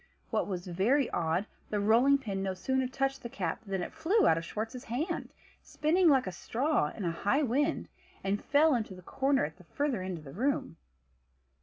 What was very odd, the rolling pin no sooner touched the cap than it flew out of Schwartz's hand, spinning like a straw in a high wind, and fell into the corner at the further end of the room.